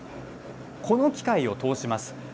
この機械を通します。